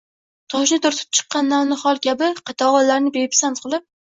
toshni turtib chiqqan navnihol kabi, qatag‘onlarni bepisand qilib...